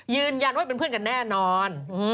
ยืนยันว่าเป็นเพื่อนกันแน่นอน